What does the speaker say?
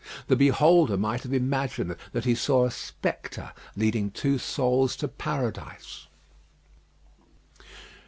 The beholder might have imagined that he saw a spectre leading two souls to Paradise.